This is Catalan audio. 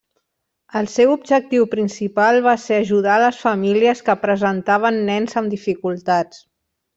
El seu objectiu principal va ser ajudar a les famílies que presentaven nens amb dificultats.